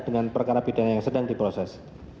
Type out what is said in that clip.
dengan perkara pidana yang sedang diproses